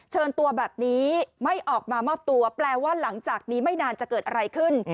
เชิญตัวแบบนี้ไม่ออกมามอบตัวแปลว่าหลังจากนี้ไม่นานจะเกิดอะไรขึ้น